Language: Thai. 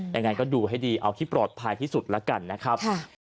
ยังไงก็ดูให้ดีเอาที่ปลอดภัยที่สุดแล้วกันนะครับ